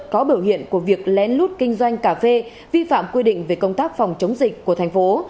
có biểu hiện của việc lén lút kinh doanh cà phê vi phạm quy định về công tác phòng chống dịch của thành phố